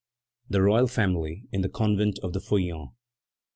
THE ROYAL FAMILY IN THE CONVENT OF THE FEUILLANTS.